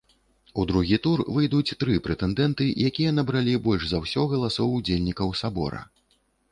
У другі тур выйдуць тры прэтэндэнты, якія набралі больш за ўсё галасоў удзельнікаў сабора.